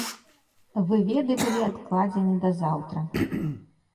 Выведы былі адкладзены да заўтра.